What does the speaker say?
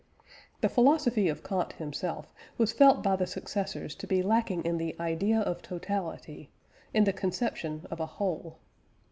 The philosophy of Kant himself was felt by the successors to be lacking in the idea of totality in the conception of a whole.